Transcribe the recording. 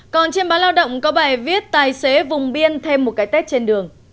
còn trên báo lao động có bài viết tài xế vùng biên thêm một cái tết trên đường